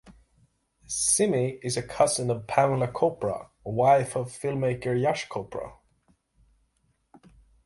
Simi is a cousin of Pamela Chopra, wife of film-maker Yash Chopra.